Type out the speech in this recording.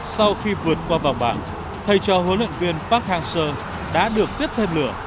sau khi vượt qua vòng bảng thầy trò huấn luyện viên park hang seo đã được tiếp thêm lửa